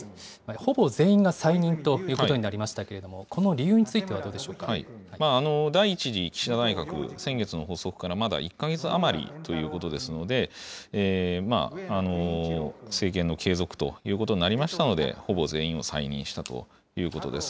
ほぼ全員が再任ということになりましたけれども、この理由につい第１次岸田内閣、先月の発足からまだ１か月余りということですので、政権の継続ということになりましたので、ほぼ全員を再任したということです。